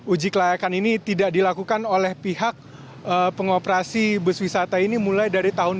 uji kelayakan ini tidak dilakukan oleh pihak pengoperasi bus wisata ini mulai dari tahun dua ribu dua